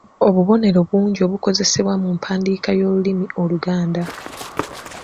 Obubonero bungi obukozesebwa mu mpandiika y’olulimi Oluganda.